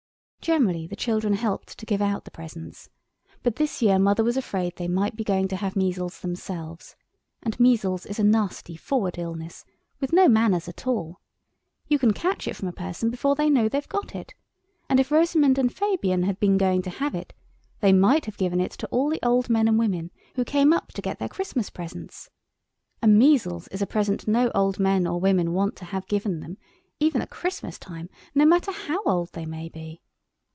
Generally the children helped to give out the presents, but this year Mother was afraid they might be going to have measles themselves, and measles is a nasty forward illness with no manners at all. You can catch it from a person before they know they've got it, and if Rosamund and Fabian had been going to have it they might have given it to all the old men and women who came up to get their Christmas presents. And measles is a present no old men or women want to have given them, even at Christmas time, no matter how old they may be.